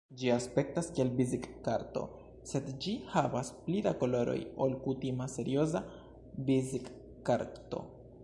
Ĝi aspektas kiel vizitkarto, sed ĝi havas pli da koloroj ol kutima serioza vizitkarto.